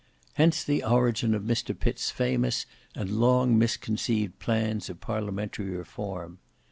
Hence the origin of Mr Pitt's famous and long misconceived plans of parliamentary reform.